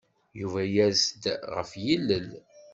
Yuba yers-d ɣef yilel.